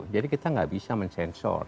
jadi kita gak bisa mensensor